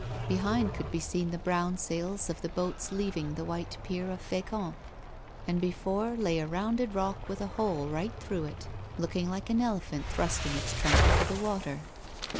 Behind could be seen the brown sails of the boats leaving the white pier of Fecamp, and before lay a rounded rock with a hole right through it, looking like an elephant thrusting its trunk into the water.